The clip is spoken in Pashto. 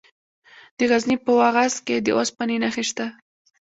د غزني په واغظ کې د اوسپنې نښې شته.